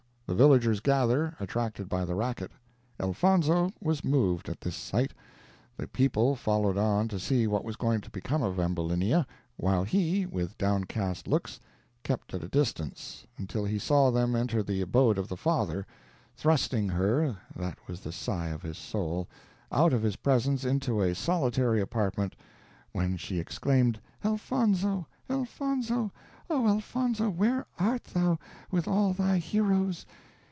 The villagers gather, attracted by the racket. Elfonzo was moved at this sight. The people followed on to see what was going to become of Ambulinia, while he, with downcast looks, kept at a distance, until he saw them enter the abode of the father, thrusting her, that was the sigh of his soul, out of his presence into a solitary apartment, when she exclaimed, "Elfonzo! Elfonzo! oh, Elfonzo! where art thou, with all thy heroes?